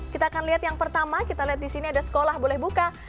kita akan lihat yang pertama kita lihat di sini ada sekolah boleh buka